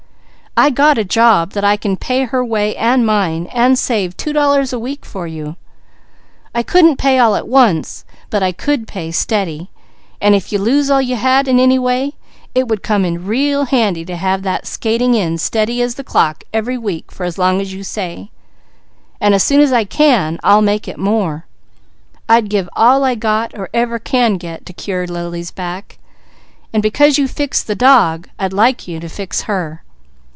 I got a job that I can pay her way and mine, and save two dollars a week for you. I couldn't pay all at once, but I could pay steady; and if you'd lose all you have in any way, it would come in real handy to have that much skating in steady as the clock every week for as long as you say, and soon as I can, I'll make it more. I'd give all I got, or ever can get, to cure Lily's back, and because you fixed the dog, I'd like you to fix her.